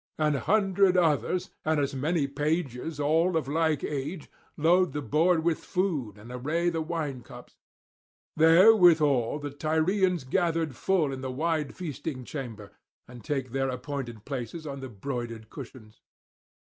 An hundred others, and as many pages all of like age, load the board with food and array the wine cups. Therewithal the Tyrians are gathered full in the wide feasting chamber, and take their appointed places on the broidered cushions.